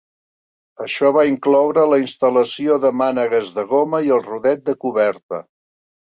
Això va incloure la instal·lació de mànegues de goma i el rodet de coberta.